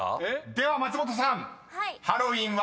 ［では松本さんハロウィーンは？］